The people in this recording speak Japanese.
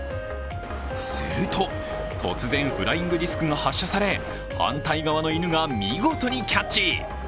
すると、突然フライングディスクが発射され反対側の犬が見事にキャッチ。